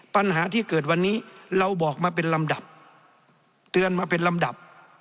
ปัญหาที่เกิดวันนี้เราบอกมาเป็นลำดับเตือนมาเป็นลำดับ